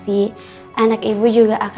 siapa yang bakal buat aku